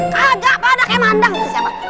kagak padah kayak mandang ini siapa